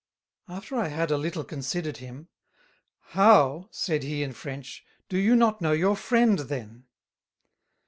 After I had a little considered him: "How!" said he in French, "do you [not] know your Friend then?"